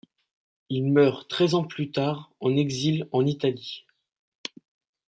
Il meurt treize ans plus tard en exil en Italie.